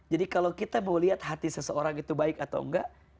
jadi kalau kita mau lihat hati seseorang itu baik atau enggak